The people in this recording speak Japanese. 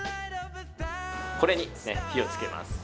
これに火を付けます。